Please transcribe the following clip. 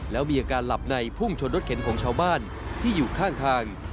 แล้วมีอาการหลับในพุ่งชนรถเข็นของชาวบ้านที่อยู่ข้างทาง